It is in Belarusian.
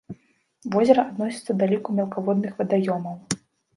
Возера адносіцца да ліку мелкаводных вадаёмаў.